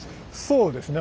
そうですね。